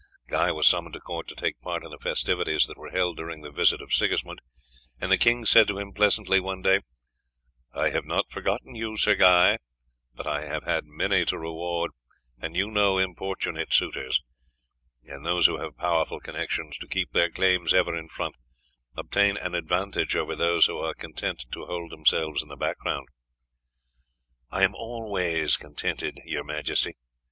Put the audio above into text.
Guy was summoned to court to take part in the festivities that were held during the visit of Sigismund, and the king said to him pleasantly one day: "I have not forgotten you, Sir Guy; but I have had many to reward, and you know importunate suitors, and those who have powerful connections to keep their claims ever in front, obtain an advantage over those who are content to hold themselves in the back ground." "I am in all ways contented, your majesty.